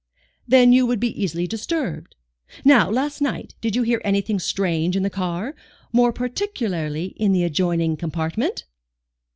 "Then you would be easily disturbed. Now, last night, did you hear anything strange in the car, more particularly in the adjoining compartment?"